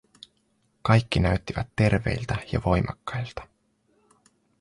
Kaikki näyttivät terveiltä ja voimakkailta.